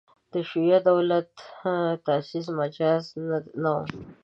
د شیعه دولت تاسیس مجاز نه وو.